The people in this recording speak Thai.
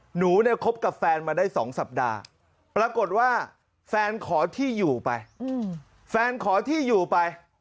หนูเนี่ยครบกับแฟนมาได้๒สัปดาห์ปรากฏว่าแฟนขอที่อยู่ไป